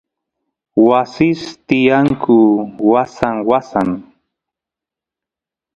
wasis tiyanku wasan wasan